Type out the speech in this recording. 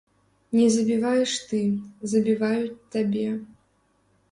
Не забіваеш ты, забіваюць табе.